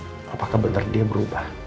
aku masih ragu apakah bener dia berubah